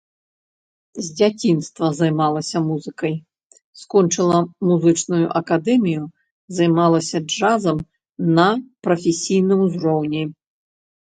З дзяцінства займалася музыкай, скончыла музычную акадэмію, займалася джазам на прафесійным узроўні.